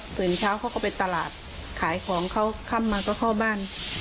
ตื่นเช้าเขาก็ไปตลาดขายของเขาค่ำมาก็เข้าบ้าน